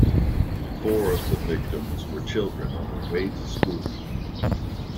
Four of the victims were children on their way to school.